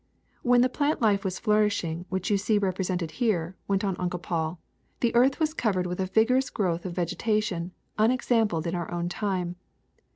*^When the plant life was flourishing which you see represented here," went on Uncle Paul, ^Hhe earth was covered with a vigorous growth of vegetation unexampled in our o^^^l time.